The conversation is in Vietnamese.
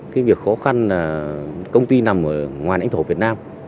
cái việc khó khăn là công ty nằm ở ngoài lãnh thổ việt nam